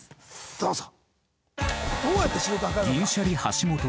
どうぞ。